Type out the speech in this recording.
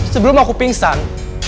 sebelum aku pingsan